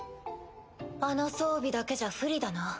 あの装備だけじゃ不利だな。